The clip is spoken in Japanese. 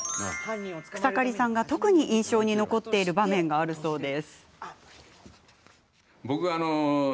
草刈さんが特に印象に残っている場面があるそうです。